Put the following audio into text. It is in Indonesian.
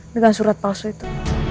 dengan surat palsu itu